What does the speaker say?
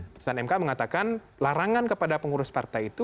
putusan mk mengatakan larangan kepada pengurus partai itu